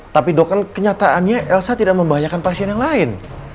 tapi kenyataannya elsa tidak membahayakan pasien yang lain